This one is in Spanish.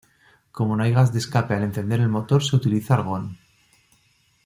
Como no hay gas de escape al encender el motor, se utiliza argón.